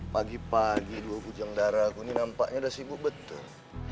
pagi pagi dua bujang darah aku ini nampaknya udah sibuk betul